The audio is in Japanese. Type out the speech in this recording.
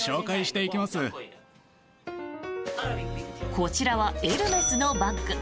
こちらはエルメスのバッグ。